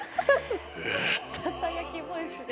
ささやきボイスで。